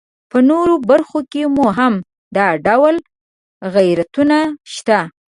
په نورو برخو کې مو هم دا ډول غیرتونه شته.